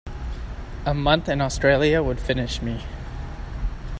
A month in Australia would finish me.